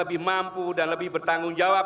lebih mampu dan lebih bertanggung jawab